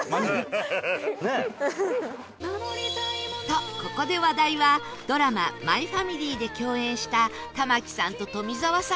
とここで話題はドラマ『マイファミリー』で共演した玉木さんと富澤さんの話に